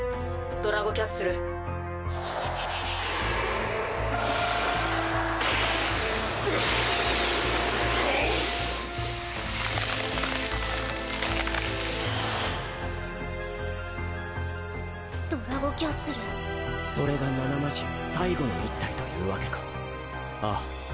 ドラゴキャッスルそれが７マジン最後の１体というワケかああ